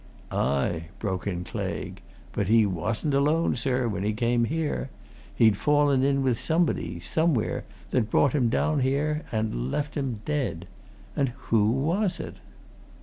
"Aye!" broke in Claigue. "But he wasn't alone, sir, when he came here! He'd fallen in with somebody, somewhere, that brought him down here and left him, dead. And who was it?"